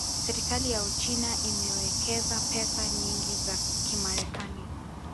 Serikali ya Uchina imewekeza pesa nyingi za Kimarekani